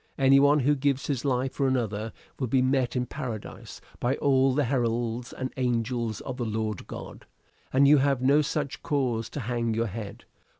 Any one who gives his life for another will be met in paradise by all the heralds and angels of the Lord God. And you have no such cause to hang your head.